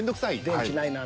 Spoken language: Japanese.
電池ないなぁ